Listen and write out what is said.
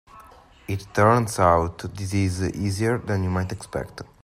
It turns out this is easier than you might expect.